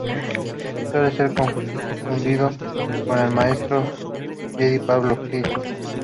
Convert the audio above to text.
Suele ser confundido con el maestro jedi Pablo-Jill